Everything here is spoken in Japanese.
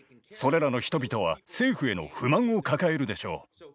それらの人々は政府への不満を抱えるでしょう。